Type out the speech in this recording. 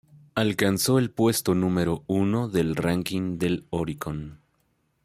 Alcanzó el puesto número uno del "ranking" del Oricon.